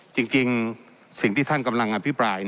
จริงสิ่งที่ท่านกำลังอภิปราย